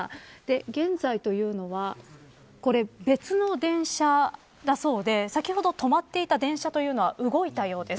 現在というのはこれ、別の電車だそうで先ほど止まっていた電車というのは動いたようです。